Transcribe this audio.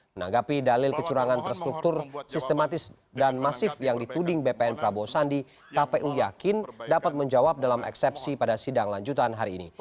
menanggapi dalil kecurangan terstruktur sistematis dan masif yang dituding bpn prabowo sandi kpu yakin dapat menjawab dalam eksepsi pada sidang lanjutan hari ini